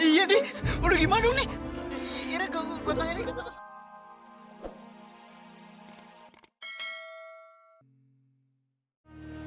ira gua tangan ini gua tutup